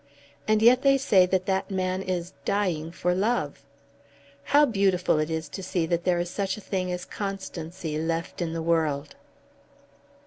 And yet they say that that man is dying for love. How beautiful it is to see that there is such a thing as constancy left in the world."